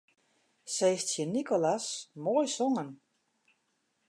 Sis tsjin Nicolas: Moai songen.